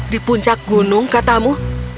di puncak gunung katamu